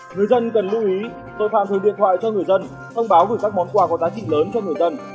người dân cần lưu ý tội phạm dùng điện thoại cho người dân thông báo gửi các món quà có giá trị lớn cho người dân